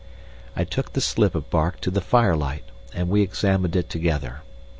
I took the slip of bark to the firelight and we examined it together.